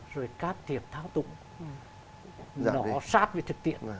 rồi cát thiệp thao túng nó sát về thực tiện